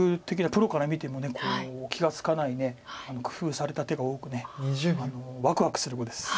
プロから見ても気が付かない工夫された手が多くわくわくする碁です。